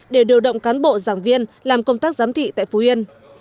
để điều động cán bộ giảng viên làm công tác giám thị tại phú yên